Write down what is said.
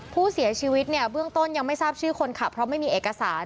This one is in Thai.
ผู้เสียชีวิตเนี่ยเบื้องต้นยังไม่ทราบชื่อคนขับเพราะไม่มีเอกสาร